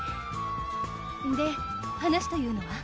で話というのは？